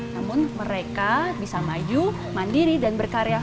namun mereka bisa maju mandiri dan berkarya